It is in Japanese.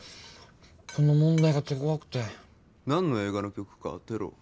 この問題が手ごわくて何の映画の曲か当てろ？